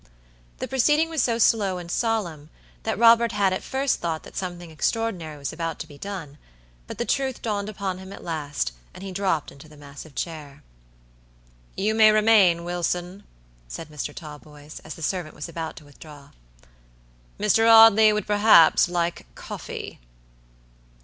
The proceeding was so slow and solemn, that Robert had at first thought that something extraordinary was about to be done; but the truth dawned upon him at last, and he dropped into the massive chair. "You may remain, Wilson," said Mr. Talboys, as the servant was about to withdraw; "Mr. Audley would perhaps like coffee."